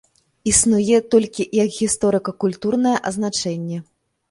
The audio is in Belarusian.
Існуе толькі як гісторыка-культурная азначэнне.